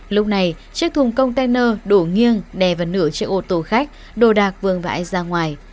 lúc này chiếc thùng container đổ nghiêng đè vào nửa chiếc ô tô khách đồ đạc vườn vải ra ngoài